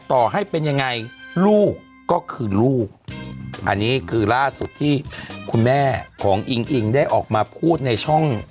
ต่อให้เป็นยังไงลูกก็คือลูกอันนี้คือล่าสุดที่คุณแม่ของอิงอิงได้ออกมาพูดในช่อง